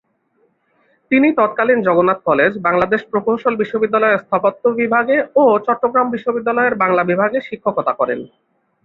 তিনি তৎকালীন জগন্নাথ কলেজ, বাংলাদেশ প্রকৌশল বিশ্ববিদ্যালয়ে স্থাপত্য বিভাগে ও চট্টগ্রাম বিশ্ববিদ্যালয়ের বাংলা বিভাগে শিক্ষকতা করেন।